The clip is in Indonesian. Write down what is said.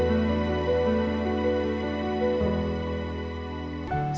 selamat datang pak rija dan keluarga